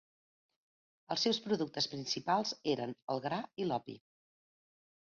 Els seus productes principals eren el gra i l'opi.